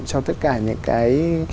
cho tất cả những cái